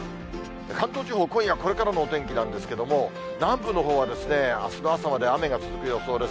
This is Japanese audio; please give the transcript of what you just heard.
関東地方、今夜これからのお天気なんですけども、南部のほうはあすの朝まで雨が続く予想です。